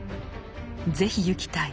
「是非ゆきたい。